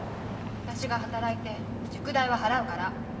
私が働いて塾代は払うから。